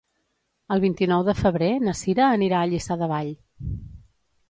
El vint-i-nou de febrer na Cira anirà a Lliçà de Vall.